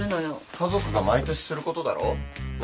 家族が毎年することだろ何？